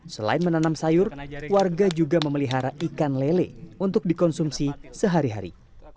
selain menanam sayur warga juga memelihara ikan lele untuk dikonsumsi sehari hari